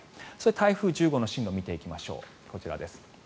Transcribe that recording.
台風１０号の進路見ていきましょう。